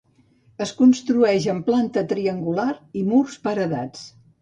Es construeix en planta triangular i murs paredats.